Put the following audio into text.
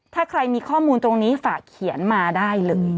ถ้าใครมีข้อมูลตรงนี้ฝากเขียนมาได้เลย